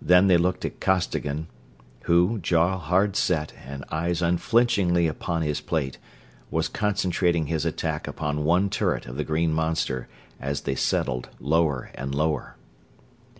Then they looked at Costigan, who, jaw hard set and eyes unflinchingly upon his plate, was concentrating his attack upon one turret of the green monster as they settled lower and lower.